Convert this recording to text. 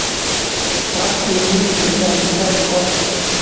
Ham qulunin ergashtirgan ot…